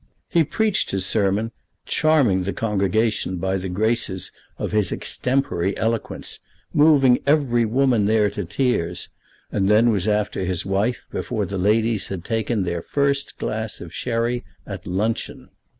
He preached his sermon, charming the congregation by the graces of his extempore eloquence, moving every woman there to tears, and then was after his wife before the ladies had taken their first glass of sherry at luncheon.